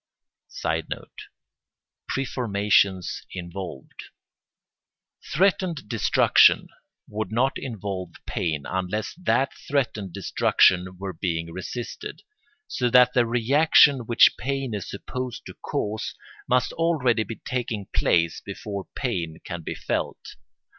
[Sidenote: Preformations involved.] Threatened destruction would not involve pain unless that threatened destruction were being resisted; so that the reaction which pain is supposed to cause must already be taking place before pain can be felt.